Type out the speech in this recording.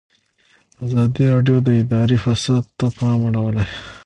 ازادي راډیو د اداري فساد ته پام اړولی.